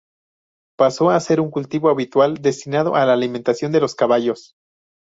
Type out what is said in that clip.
Pasó a ser un cultivo habitual destinado a la alimentación de los caballos.